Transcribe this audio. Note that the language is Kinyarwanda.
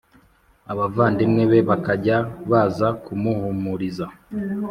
Abavandimwe be bakajya baza kumuhumuriza